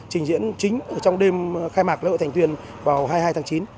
trình diễn chính trong đêm khai mạc lễ hội thành tuyên vào hai mươi hai tháng chín